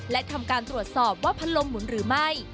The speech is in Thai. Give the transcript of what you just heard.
และทำการตรวจสอบว่าพัดลมหมุนหรือไม่